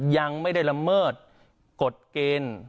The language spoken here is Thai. ยังไม่ได้ละเมิดกฎเกณฑ์